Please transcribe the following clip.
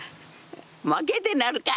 負けてなるか！